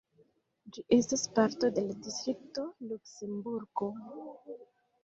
Ĝi estas parto de la distrikto Luksemburgo.